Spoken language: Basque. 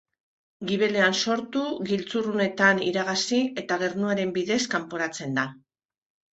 Gibelean sortu, giltzurrunetan iragazi eta gernuaren bidez kanporatzen da.